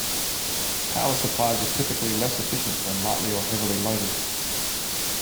Power supplies are typically less efficient when lightly or heavily loaded.